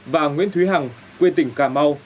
và nguyễn thúy hằng quê tỉnh cà mau